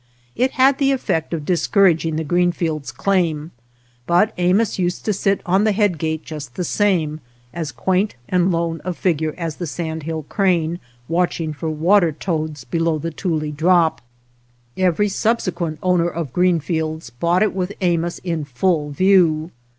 It had the effect of discouraging the Greenfields claim, but Amos used to sit on the headgate just the same, as quaint and lone a figure as the sandhill crane watching for water toads below the Tule drop. Every subsequent owner of Greenfields bought it with Amos in full view.